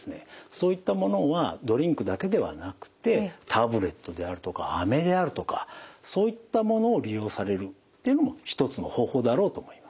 そういったものはドリンクだけではなくてタブレットであるとかあめであるとかそういったものを利用されるっていうのも一つの方法だろうと思います。